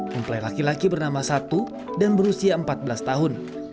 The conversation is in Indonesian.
mempelai laki laki bernama satu dan berusia empat belas tahun